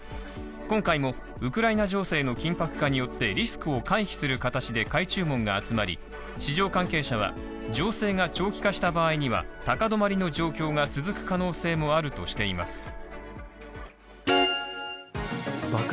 今回もウクライナ情勢の緊迫化によってリスクを回避する形で買い注文が集まり市場関係者は情勢が長期化した場合には高止まりの状況が続く可能性もあるとしています。